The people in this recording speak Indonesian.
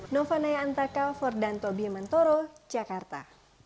nova naya antarkal ferdanto biemantoro jakarta